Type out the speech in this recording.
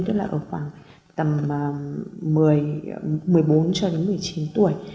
tức là ở khoảng tầm một mươi bốn một mươi chín tuổi